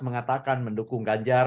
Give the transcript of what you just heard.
mengatakan mendukung ganjar